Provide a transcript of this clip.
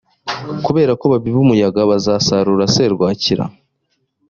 kubera ko babiba umuyaga bazasarura serwakira